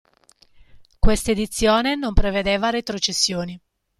Questa edizione non prevedeva retrocessioni.